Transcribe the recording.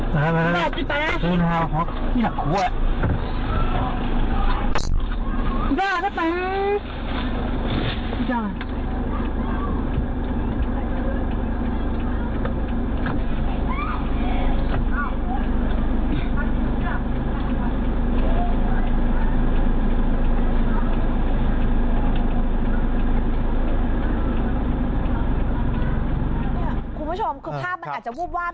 คุณผู้ชมคือภาพมันอาจจะวูบวาบ